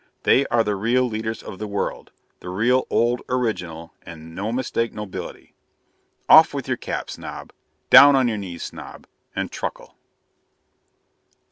They are the real leaders of the world the real old original and no mistake nobility. Off with your cap, Snob; down on your knees, Snob, and truckle.